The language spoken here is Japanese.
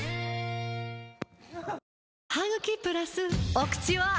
お口は！